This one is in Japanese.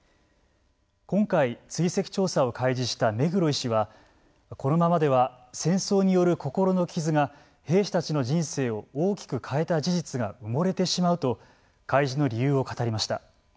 今回、追跡調査を開示した目黒医師はこのままでは戦争による心の傷が兵士たちの人生を大きく変えた事実が埋もれてしまうと開示の理由を語りました。